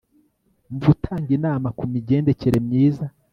mu gutanga inama ku migendekere myiza